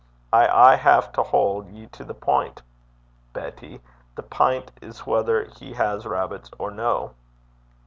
I aye hae to haud ye to the pint, Betty. The pint is, whether he has rabbits or no?'